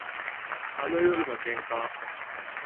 あの夜の喧嘩